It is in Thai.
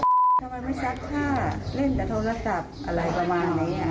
ทำไมไม่ซักผ้าเล่นแต่โทรศัพท์อะไรประมาณนี้